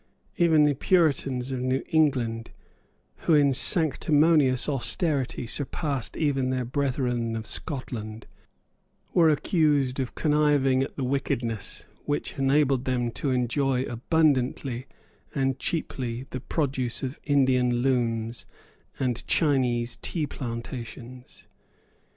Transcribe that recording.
Even the Puritans of New England, who in sanctimonious austerity surpassed even their brethren of Scotland, were accused of conniving at the wickedness which enabled them to enjoy abundantly and cheaply the produce of Indian looms and Chinese tea plantations.